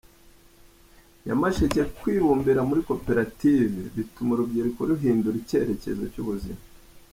Nyamasheke Kwibumbira muri Koperative bituma urubyiruko ruhindura icyerekezo cy’ubuzima